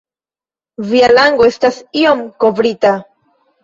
Via lango estas iom kovrita.